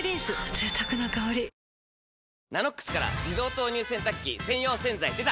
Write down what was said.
贅沢な香り「ＮＡＮＯＸ」から自動投入洗濯機専用洗剤でた！